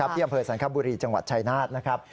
ที่อำเภอสันคบุรีจังหวัดชายนาฏนะครับ